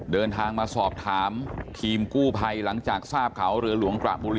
เดินทางมาสอบถามทีมกู้ภัยหลังจากทราบเขาเรือหลวงกระบุรี